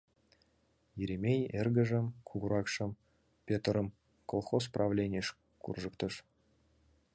Еремей эргыжым, кугуракшым, Пӧтырым, колхоз правленийыш куржыктыш.